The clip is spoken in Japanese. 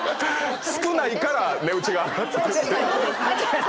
少ないから値打ちが上がってる。